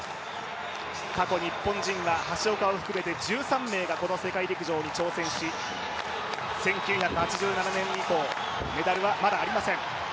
過去日本人は橋岡を含めて１３名が世界陸上に挑戦し１９８７年以降、メダルはまだありません。